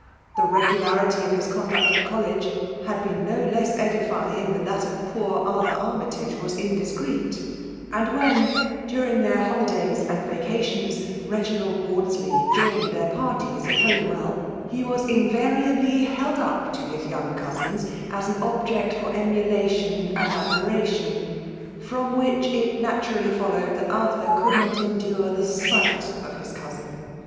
The reguv. larity of his conduct at college had been no FEMALE IX>MIKATloy. 105 less edi^pig tlian tBat of poor Arthur Annj tagewas indiscreet; and wBen, during their liolnlays and vacations^ Reginald Maudsley joined their parties at Holywell, he was in variably held up to his young cousins as an object for emulation and admiration; from which it naturally followed that Arthur could not endure the sight of his cousin.